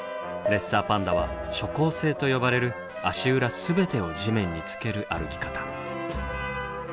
レッサーパンダは「蹠行性」と呼ばれる足裏全てを地面につける歩き方。